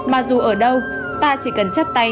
mà dù ở đâu ta chỉ cần chấp tay